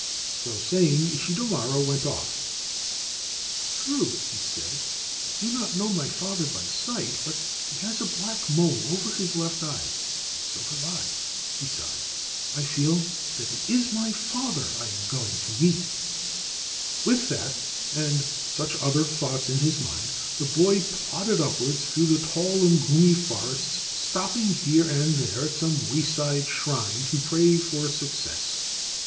' So saying, Ishidomaro went off. ' True,' he said, * I do not know my father by sight ; but he has a black mole over his left eye, and so have I ; besides, I feel that it is my father I am going to meet/ With that and such other thoughts in his mind the boy plodded upwards through the tall and gloomy forests, stopping here and there at some wayside shrine to pray for success.